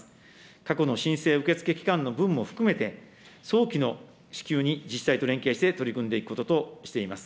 過去の申請受け付け期間の分も含めて、早期の支給に自治体と連携して取り組んでいくこととしています。